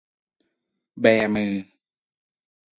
แบมือ